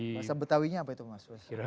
bahasa betawinya apa itu mas